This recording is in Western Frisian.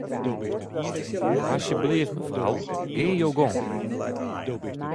Asjebleaft mefrou, gean jo gong.